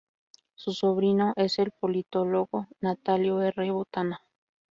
Su sobrino es el politólogo Natalio R. Botana.